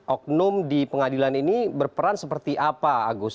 oknum di pengadilan ini berperan seperti apa agus